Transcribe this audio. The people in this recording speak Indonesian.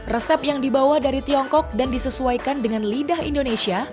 resep yang dibawa dari tiongkok dan disesuaikan dengan lidah indonesia